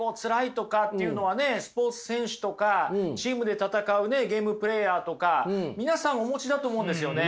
スポーツ選手とかチームで戦うゲームプレーヤーとか皆さんお持ちだと思うんですよね。